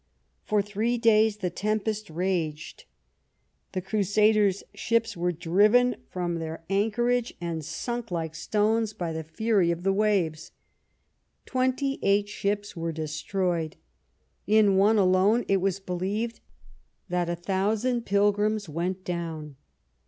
For three days the tempest raged. The crusaders' ships were driven from their anchorage and sunk like stones by the fury of the waves. Twenty eight ships were destroyed. In one alone it was believed that a thousand pilgrims went down.